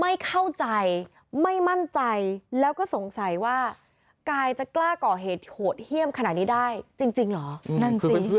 ไม่เข้าใจไม่มั่นใจแล้วก็สงสัยว่ากายจะกล้าก่อเหตุโหดเยี่ยมขนาดนี้ได้จริงเหรอนั่นสิ